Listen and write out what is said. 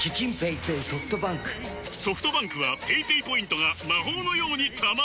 ソフトバンクはペイペイポイントが魔法のように貯まる！